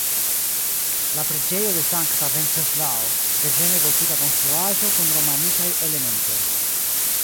La preĝejo de sankta Venceslao, devene gotika konstruaĵo kun romanikaj elementoj.